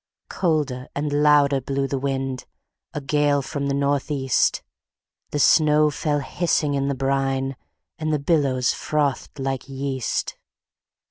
Colder and louder blew the wind, A gale from the Northeast, The snow fell hissing in the brine, And the billows frothed like yeast.